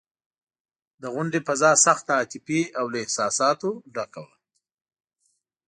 د غونډې فضا سخته عاطفي او له احساساتو ډکه وه.